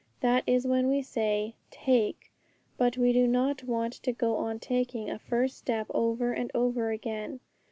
That is when we say, 'Take'; but we do not want to go on taking a first step over and over again.